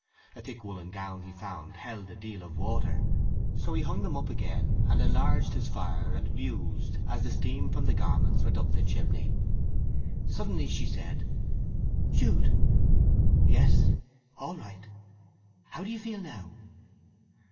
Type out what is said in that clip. A thick woollen gown, he found, held a deal of water. So he hung them up again, and enlarged his fire and mused as the steam from the garments went up the chimney. Suddenly she said, "Jude!" "Yes. All right. How do you feel now?"